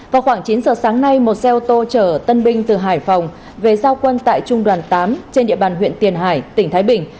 vào khoảng chín giờ sáng nay một xe ô tô chở tân binh từ hải phòng về giao quân tại trung đoàn tám trên địa bàn huyện tiền hải tỉnh thái bình